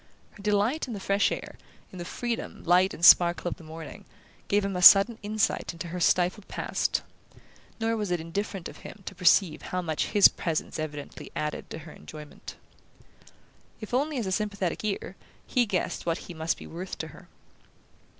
Her delight in the fresh air, in the freedom, light and sparkle of the morning, gave him a sudden insight into her stifled past; nor was it indifferent to him to perceive how much his presence evidently added to her enjoyment. If only as a sympathetic ear, he guessed what he must be worth to her.